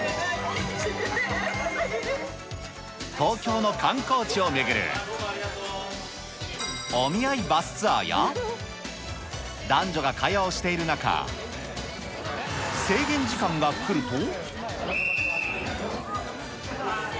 東京の観光地を巡る、お見合いバスツアーや、男女が会話をしている中、制限時間が来ると。